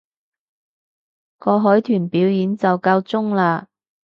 個海豚表演就夠鐘喇